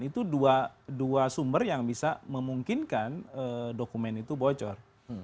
itu dua sumber yang bisa memungkinkan dokumen itu bocor